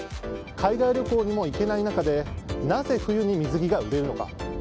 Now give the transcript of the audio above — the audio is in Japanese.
海外旅行にも行けない中でなぜ冬に水着が売れるのか。